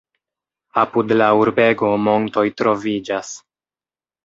Apud la urbego montoj troviĝas.